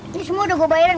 ini semua udah gue bayarin